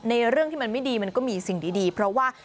เรื่องที่มันไม่ดีมันก็มีสิ่งดีเพราะว่า